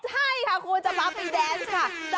ใช่ค่ะคุณจะพาไปแต้นข้าม